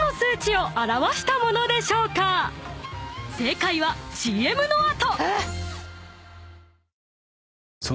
［正解はＣＭの後］